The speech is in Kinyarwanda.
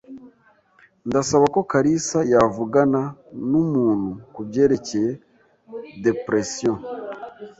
Ndasaba ko kalisa yavugana numuntu kubyerekeye depression.